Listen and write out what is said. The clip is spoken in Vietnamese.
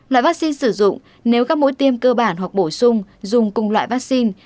loại vaccine sử dụng nếu các mũi tiêm cơ bản hoặc bổ sung dùng cùng loại vaccine